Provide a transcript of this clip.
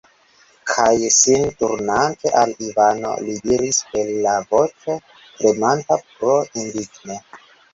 Kaj, sin turnante al Ivano, li diris per la voĉo, tremanta pro indigno.